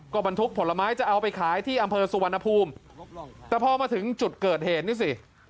ก็บรรทุกผลไม้จะเอาไปขายที่อำเภอสุวรรณภูมิแต่พอมาถึงจุดเกิดเหตุนี่สิ